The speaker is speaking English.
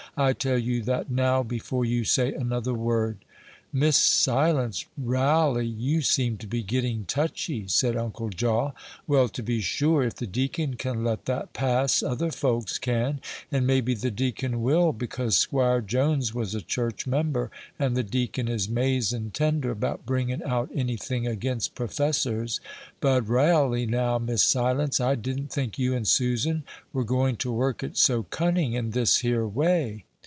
I tell you that, now, before you say another word." "Miss Silence, railly, you seem to be getting touchy," said Uncle Jaw; "well, to be sure, if the deacon can let that pass, other folks can; and maybe the deacon will, because 'Squire Jones was a church member, and the deacon is 'mazin' tender about bringin' out any thing against professors; but railly, now, Miss Silence, I didn't think you and Susan were going to work it so cunning in this here way."